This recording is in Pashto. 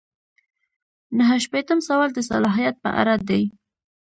نهه شپیتم سوال د صلاحیت په اړه دی.